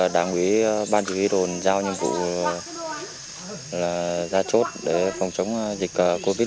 đảng quý ban chí huy đồn giao nhiệm vụ ra chốt để phòng chống dịch covid một mươi chín